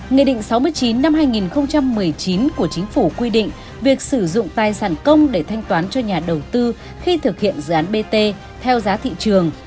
nghị định sáu mươi chín năm hai nghìn một mươi chín của chính phủ quy định việc sử dụng tài sản công để thanh toán cho nhà đầu tư khi thực hiện dự án bt theo giá thị trường